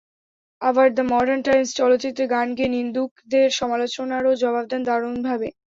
আবার the Modern Times চলচ্চিত্রে গান গেয়ে নিন্দুকদের সমালোচনারও জবাব দেন দারুণভাবে।